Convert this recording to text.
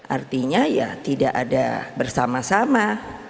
artinya ya tidak ada bersama sama